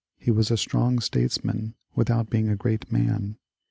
He was a strong statesman without being a great man.